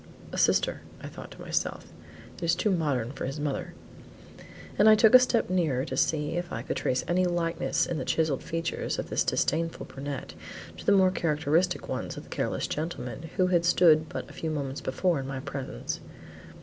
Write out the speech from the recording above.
"A sister," I thought to myself, "it is too modern for his mother," and I took a step nearer to see if I could trace any likeness in the chiselled features of this disdainful brunette, to the more characteristic ones of the careless gentleman who had stood but a few moments before in my presence.